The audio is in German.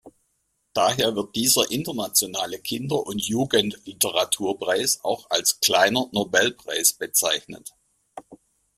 Daher wird dieser internationale Kinder- und Jugendliteraturpreis auch als „kleiner Nobelpreis“ bezeichnet.